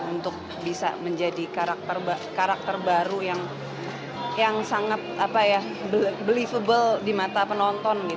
untuk bisa menjadi karakter baru yang sangat believable di mata penonton